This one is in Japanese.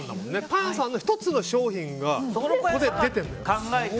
パン屋さんの１つの商品がここで出てるのよ。